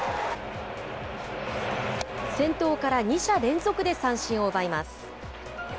先頭から２者連続で三振を奪います。